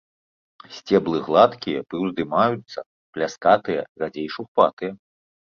Сцеблы гладкія, прыўздымаюцца, пляскатыя, радзей шурпатыя.